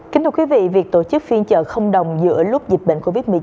kính thưa quý vị việc tổ chức phiên chợ không đồng giữa lúc dịch bệnh covid một mươi chín